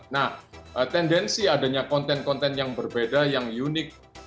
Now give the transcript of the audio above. nah tendensi adanya konten konten yang berbeda yang unik